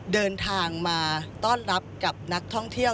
เดินทางมาต้อนรับกับนักท่องเที่ยว